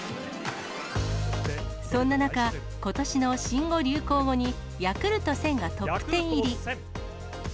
そんな中、ことしの新語・流行語に、ヤクルト１０００がトップ１０入り。